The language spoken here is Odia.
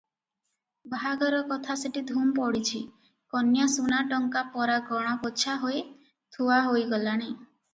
ବାହାଘର କଥା ସେଠି ଧୂମ୍ ପଡିଛି, କନ୍ୟାସୁନା ଟଙ୍କା ପରା ଗଣା ପୋଛା ହୋଇ ଥୁଆ ହୋଇଗଲାଣି ।